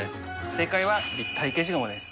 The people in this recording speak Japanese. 正解は立体消しゴムです。